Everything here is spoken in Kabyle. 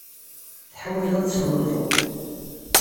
Teḥwajeḍ ad tesgunfuḍ.